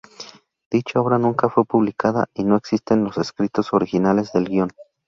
Dicha obra nunca fue publicada y no existen los escritos originales del guion.